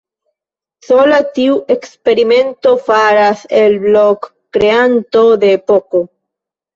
Sola tiu eksperimento faras el Blok kreanton de epoko.